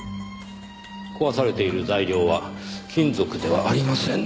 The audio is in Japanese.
壊されている材料は金属ではありませんねぇ。